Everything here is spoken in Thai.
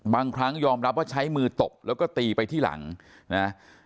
บางครั้งยอมรับว่าใช้มือตบแล้วก็ตีไปที่หลังนะ